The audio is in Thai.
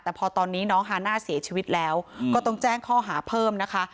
แต่พอตอนนี้น้องฮาน่าเสียชีวิตแล้วก็ต้องแจ้งข้อหาเพิ่มนะคะ